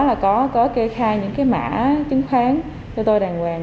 thì sau đó là có kê khai những cái mã chứng khoán cho tôi đàng hoàng